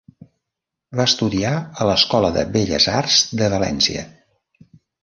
Va estudiar a l'Escola de Belles Arts de València.